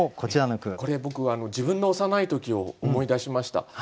これ僕自分の幼い時を思い出しました。